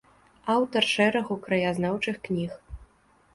Аўтар шэрагу краязнаўчых кніг.